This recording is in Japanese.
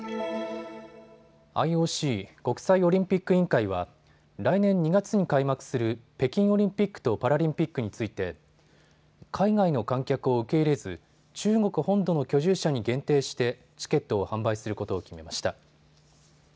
ＩＯＣ・国際オリンピック委員会は来年２月に開幕する北京オリンピックとパラリンピックについて海外の観客を受け入れず中国本土の居住者に限定してチケットを販売することを決めました。